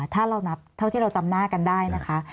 ถ้าเรานับเท่าที่เราจำหน้ากันได้นะคะ